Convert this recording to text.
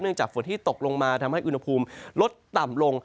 จากฝนที่ตกลงมาทำให้อุณหภูมิลดต่ำลง